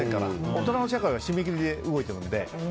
大人の社会は締め切りで動いてるので。